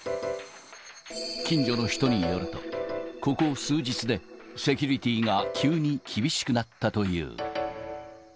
近所の人によると、ここ数日で、セキュリティーが急に厳しくなったという。